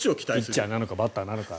ピッチャーなのかバッターなのか。